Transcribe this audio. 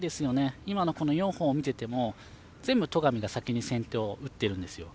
今の４本を見ていても全部、戸上が先に先手を取っているんですよ。